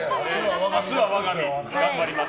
明日は我が身、頑張ります。